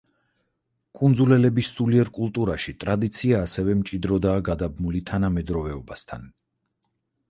კუნძულელების სულიერ კულტურაში ტრადიცია ასევე მჭიდროდაა გადაბმული თანამედროვეობასთან.